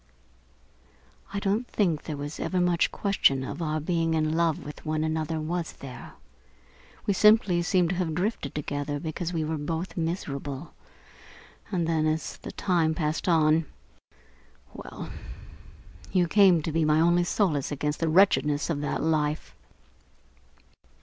"I don't think there was ever much question of our being in love with one another, was there? We simply seemed to have drifted together because we were both miserable, and then, as the time passed on well, you came to be my only solace against the wretchedness of that life."